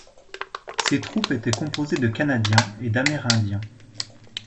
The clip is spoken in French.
Ses troupes étaient composés de Canadiens et d'Amérindiens.